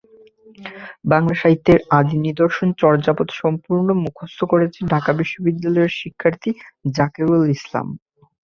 বাংলা সাহিত্যের আদি নিদর্শন চর্যাপদ সম্পূর্ণ মুখস্থ করেছেন ঢাকা বিশ্ববিদ্যালয়ের শিক্ষার্থী জাকেরুল ইসলাম।